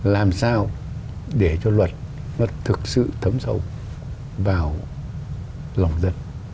làm sao để cho luật nó thực sự thấm sâu vào lòng dân